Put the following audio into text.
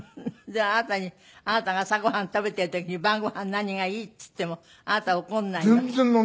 じゃああなたにあなたが朝ご飯食べている時に「晩ご飯何がいい？」って言ってもあなた怒んないの？